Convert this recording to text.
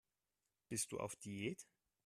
Bist du auf Diät?